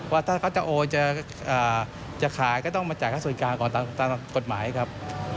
ว่าถ้าเขาจะโอนจะขายก็ต้องมาจ่ายค่าส่วนกลางก่อนตามกฎหมายครับ